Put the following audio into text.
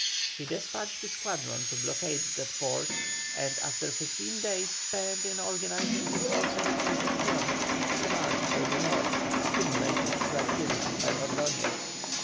He despatched the squadron to blockade that port, and after fifteen days spent in organizing his forces at Concepcion, he marched for the North, stimulated to activity by Ordoñez.